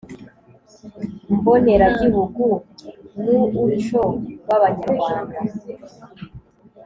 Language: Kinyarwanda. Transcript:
mboneragihugu n uuco w abanyarwanda